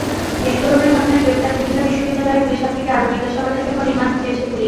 বিস্ফোরণের ঘটনায় গ্রেপ্তার কুমিল্লা বিশ্ববিদ্যালয়ের দুই ছাত্রীকে আরও জিজ্ঞাসাবাদের জন্য রিমান্ড চেয়েছে পুলিশ।